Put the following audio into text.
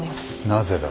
なぜだ。